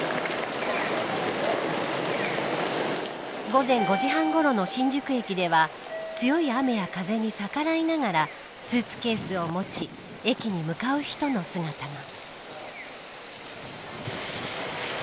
午前５時半ごろの新宿駅では強い雨や風に逆らいながらスーツケースを持ち駅に向かう人の姿が。